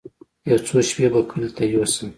يو څو شپې به کلي ته يوسم.